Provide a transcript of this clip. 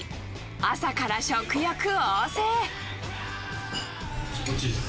朝から食欲旺盛。